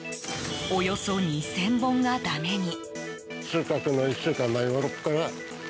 およそ２０００本がだめに。